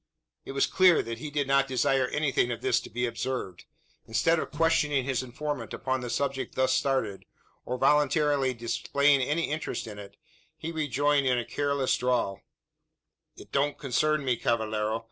It was clear that he did not desire anything of this to be observed. Instead of questioning his informant upon the subject thus started, or voluntarily displaying any interest in it, he rejoined in a careless drawl "It don't concern me, cavallero.